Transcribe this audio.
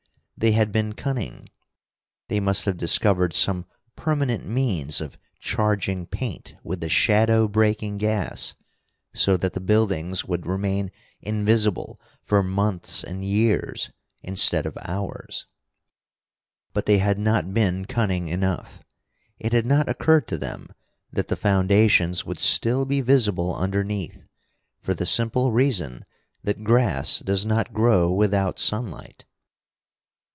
They had been cunning. They must have discovered some permanent means of charging paint with the shadow breaking gas, so that the buildings would remain invisible for months and years instead of hours. But they had not been cunning enough. It had not occurred to them that the foundations would still be visible underneath, for the simple reason that grass does not grow without sunlight.